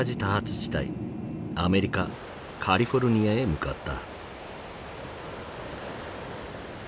地帯アメリカ・カリフォルニアへ向かった。